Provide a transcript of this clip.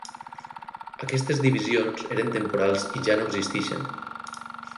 Aquestes divisions eren temporals i ja no existeixen.